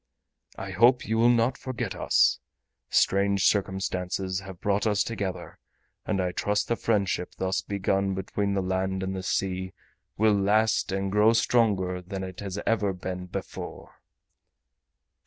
I hope you will not forget us. Strange circumstances have brought us together and I trust the friendship thus begun between the Land and the Sea will last and grow stronger than it has ever been before."